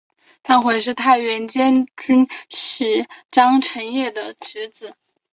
张瓘是太原监军使张承业的侄子。